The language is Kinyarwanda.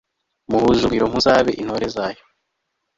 muhuje urugwiro, muzabe intore zayo